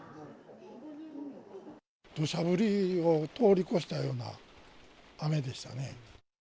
どしゃ降りを通り越したような雨でしたね。